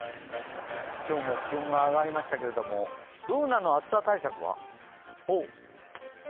今日も気温が上がりましたけれどもＢｏｏｎａの暑さ対策は？